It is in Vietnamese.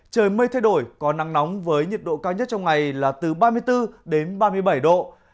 trời mây thay đổi có nắng nóng với nhiệt độ cao nhất trong ngày là từ ba mươi bốn đến ba mươi bảy độ